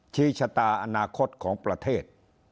ชี้ชะตาอนาคตของประเทศ